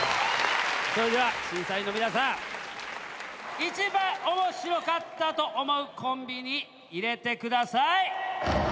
それでは審査員の皆さん一番面白かったと思うコンビに入れてください。